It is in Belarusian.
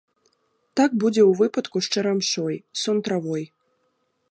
Так будзе ў выпадку з чарамшой, сон-травой.